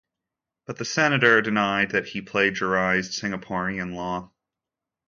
But the senator denied that he plagiarised Singaporean law.